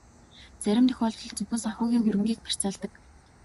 Зарим тохиолдолд зөвхөн санхүүгийн хөрөнгийг барьцаалдаг.